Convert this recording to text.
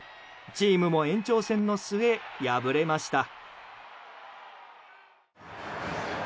チームも延長戦の末敗れました。